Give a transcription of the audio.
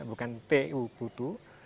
bukan tu putu